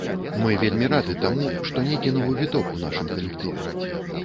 Мы вельмі рады таму, што нейкі новы віток у нашым калектыве.